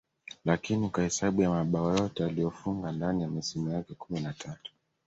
lakini kwa hesabu ya mabao yote aliyofunga ndani ya misimu yake kumi na tatu